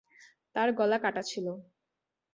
তার গলাকাটা ছিলো।